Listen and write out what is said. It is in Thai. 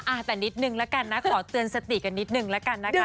อ่าแต่นิดนึงแล้วกันนะขอเตือนสติกันนิดนึงแล้วกันนะคะ